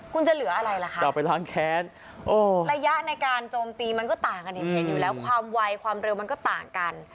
คุณจะเหลืออะไรล่ะคะจะไปล้างแค้นระยะในการโจมตีมันก็ต่างกันเห็นอยู่แล้วความไวความเร็วมันก็ต่างกัน